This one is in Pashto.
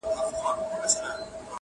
په کړکۍ کي ورته پټ وو کښېنستلی-